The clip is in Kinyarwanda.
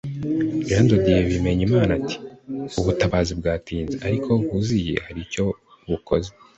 Jean de Dieu Bimenyimana ati “Ubutabazi bwatinze ariko aho buziye hari icyo bukoze